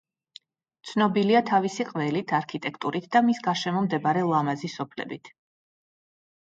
ცნობილია თავისი ყველით, არქიტექტურით და მის გარშემო მდებარე ლამაზი სოფლებით.